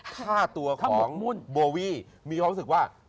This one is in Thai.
ถ้าตัวของโบวี่มีความรู้สึกว่า